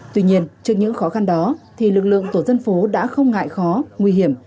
tuy nhiên trước những khó khăn đó thì lực lượng tổ dân phố đã không ngại khó nguy hiểm